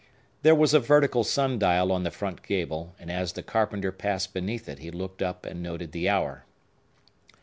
There was a vertical sundial on the front gable; and as the carpenter passed beneath it, he looked up and noted the hour.